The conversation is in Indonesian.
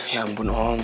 ya ampun om